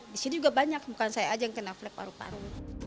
di sini juga banyak bukan saya aja yang kena flag paru paru